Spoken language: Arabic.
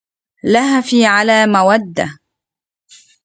لهفي على مودة